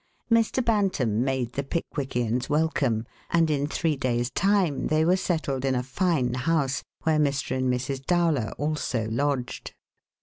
Mr. Bantam made the Pickwickians welcome and in three days' time they were settled in a fine house, where Mr. and Mrs. Dowler also lodged.